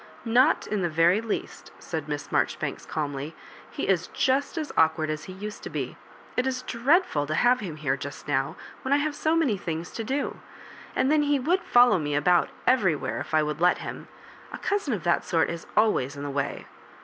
"Not in the very least," said Miss Marjori banks, calmly; " he is just as awkward as he used to be. It is dreadful to have him here just now, when I have so many things to do — and then he would follow me about everywhere if I would let him. A cousin of that sort is always in the way."